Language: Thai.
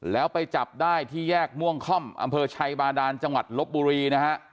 แล้วไปจับได้ที่แยกม่วงค่อมอำเภอชัยบาดานจังหวัดลบบุรีนะฮะ